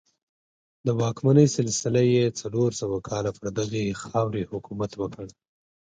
د واکمنۍ سلسله یې څلور سوه کاله پر دغې خاوره حکومت وکړ